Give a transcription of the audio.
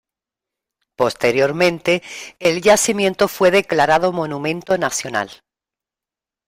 Posteriormente, el yacimiento fue declarado monumento nacional.